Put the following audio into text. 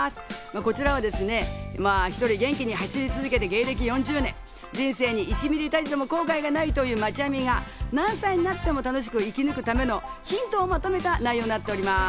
こちらは１人元気に走り続けて芸歴４０年、人生に１ミリたりとも後悔がないというマチャミが何歳になっても楽しく生き抜くためのヒントをまとめた内容になっています。